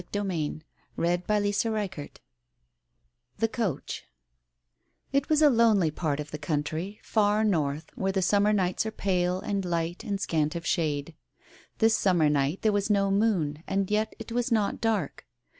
IC Digitized by Google THE COACH It was a lonely part of the country, far north, where the summer nights are pale and light and scant of shade. This summer night there was no moon, and yet it was not dark.